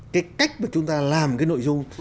cái cách mà chúng ta làm cái nội dung